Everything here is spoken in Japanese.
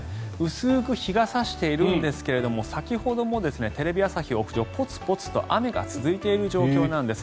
薄く日が差しているんですけども先ほどもテレビ朝日屋上ぽつぽつと雨が続いている状況なんです。